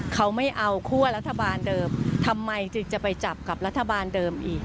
เขาไม่เอาคั่วรัฐบาลเดิมทำไมจึงจะไปจับกับรัฐบาลเดิมอีก